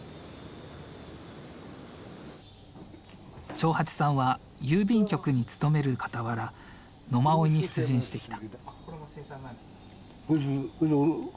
長八さんは郵便局に勤めるかたわら野馬追に出陣してきた。